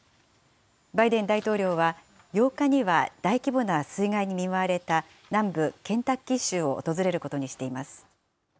バイデン大統領は、８日には大規模な水害に見舞われた南部ケンタッキー州を訪れることにしています。